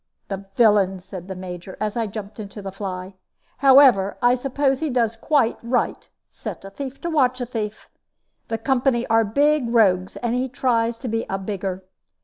"The villain!" said the Major, as I jumped into the fly. "However, I suppose he does quite right. Set a thief to watch a thief. The company are big rogues, and he tries to be a bigger.